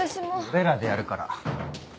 俺らでやるから。